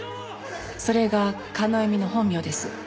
それが叶笑の本名です。